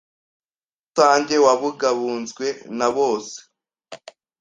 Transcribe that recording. rusange wabungabunzwe na bose.